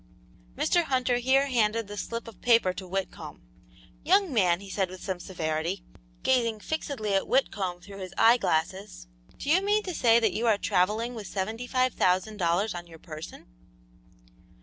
Mr. Hunter here handed the slip of paper to Whitcomb. "Young man," he said, with some severity, gazing fixedly at Whitcomb through his eye glasses, "do you mean to say that you are travelling with seventy five thousand dollars on your person?"